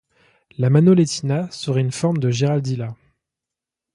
La manoletina serait une forme de giraldilla.